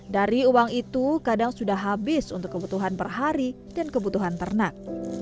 dari uang itu kadang sudah habis untuk kebutuhan per hari dan kebutuhan ternak